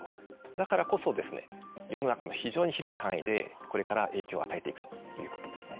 だからこそ世の中の非常に広い範囲でこれから影響を与えていくということですね。